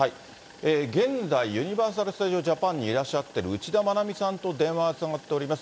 現在、ユニバーサル・スタジオ・ジャパンにいらっしゃってるうちだまなみさんと電話がつながっております。